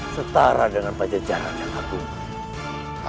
setara dengan paja jalan yang aku menemani